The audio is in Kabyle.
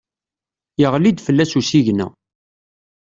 Yeɣli-d fell-as usigna.